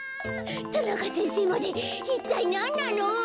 田中先生までいったいなんなの？